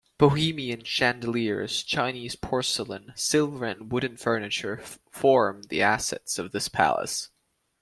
Bohemian chandeliers, Chinese porcelain, silver and wooden furniture form the assets of this palace.